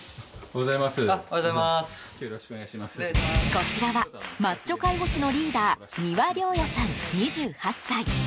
こちらはマッチョ介護士のリーダー丹羽凌也さん、２８歳。